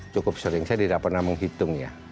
cukup sering saya tidak pernah menghitungnya